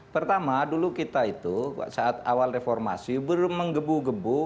pertama dulu kita itu saat awal reformasi menggebu gebu